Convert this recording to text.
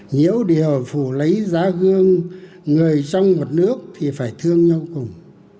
nhiễu điều phủ lấy giá gương người trong một nước thì phải thương nhau cùng